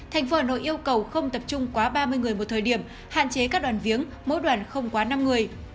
thành phố hà nội yêu cầu không tập trung quá ba mươi người một thời điểm hạn chế các đoàn viếng mỗi đoàn không quá năm người